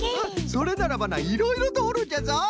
それならばないろいろとおるんじゃぞ。